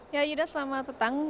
ya yuda selamat datang